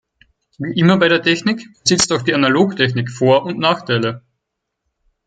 Wie immer bei der Technik besitzt auch die Analogtechnik Vor- und Nachteile.